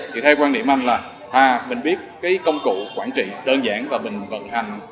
thì theo quan điểm anh là mình biết cái công cụ quản trị đơn giản và mình vận hành